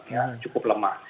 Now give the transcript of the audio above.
ya cukup lemah